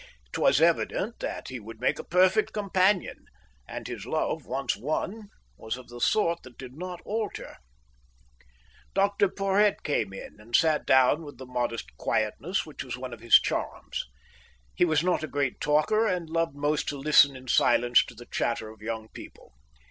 It was evident that he would make a perfect companion, and his love, once won, was of the sort that did not alter. Dr Porhoët came in and sat down with the modest quietness which was one of his charms. He was not a great talker and loved most to listen in silence to the chatter of young people.